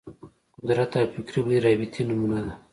قدرت او فکري بهیر رابطې نمونه ده